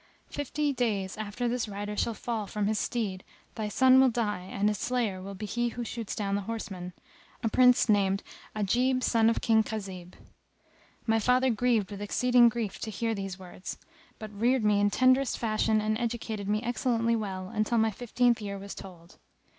Fifty days after this rider shall fall from his steed thy son will die and his slayer will be he who shoots down the horseman, a Prince named Ajib son of King Khazib." My father grieved with exceeding grief to hear these words; but reared me in tenderest fashion and educated me excellently well until my fifteenth year was told.